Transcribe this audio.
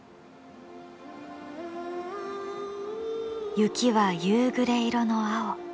雪は夕暮れ色の青。